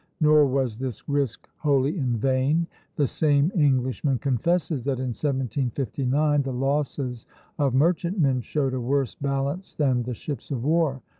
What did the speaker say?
Nor was this risk wholly in vain. The same Englishman confesses that in 1759 the losses of merchantmen showed a worse balance than the ships of war.